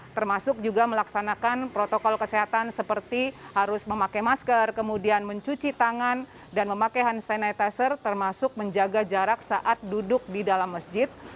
termasuk juga melaksanakan protokol kesehatan seperti harus memakai masker kemudian mencuci tangan dan memakai hand sanitizer termasuk menjaga jarak saat duduk di dalam masjid